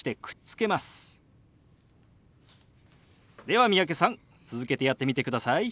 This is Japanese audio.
では三宅さん続けてやってみてください。